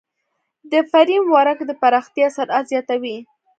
دا فریم ورک د پراختیا سرعت زیاتوي.